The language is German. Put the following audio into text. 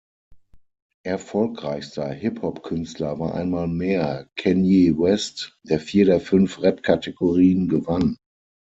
Erfolgreichster Hip-Hop-Künstler war einmal mehr Kanye West, der vier der fünf Rap-Kategorien gewann.